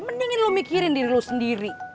mendingin lu mikirin diri lu sendiri